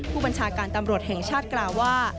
ผู้บัญชาการตำรวจแห่งชาติกล่าวว่า